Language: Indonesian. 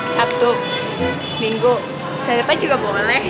sabtu minggu tahun depan juga boleh